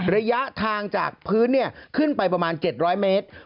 ระยะทางจากพื้นขึ้นไปประมาณ๗๐๐เมตร